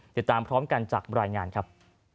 ติดตามพร้อมกันจากรายงานครับ